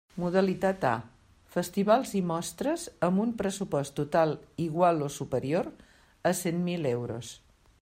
Modalitat A: festivals i mostres amb un pressupost total igual o superior a cent mil euros.